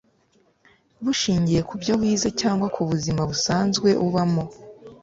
bushingiye kubyo wize cyangwa ku buzima busanzwe ubamo.